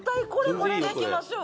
これでいきましょう。